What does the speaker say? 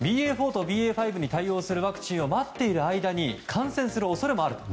ＢＡ．４とＢＡ．５に対応するワクチンを待っている間に感染する恐れもあると。